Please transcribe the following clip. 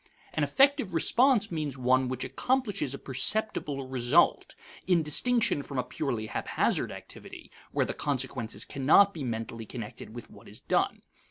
An effective response means one which accomplishes a perceptible result, in distinction from a purely haphazard activity, where the consequences cannot be mentally connected with what is done.